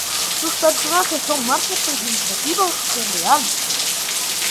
Sus personajes son más representativos que reales.